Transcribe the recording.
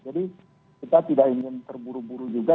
kita tidak ingin terburu buru juga